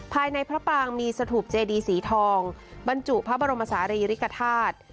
ภายในพระปางมีสถูปเจดีสีทองบรรจุพระบรมศาลีริกฐาตุ